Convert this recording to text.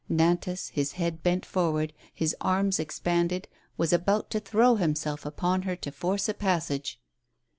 Nantas, his head bent forward, his arms expanded, W'as about to throw himself upon her to force a pas sage.